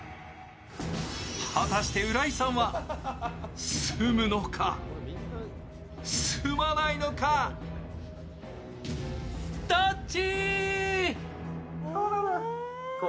果たして浦井さんは住むのか、住まないのか、どっち？